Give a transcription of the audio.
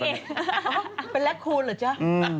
โอ้เป็นแรกคูลเหรอเจ้า